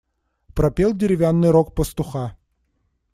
Пропел деревянный рог пастуха.